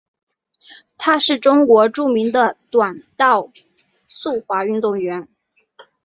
她是中国著名的短道速滑运动员。